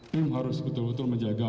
tim harus betul betul menjaga